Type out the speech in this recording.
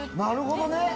なるほどね。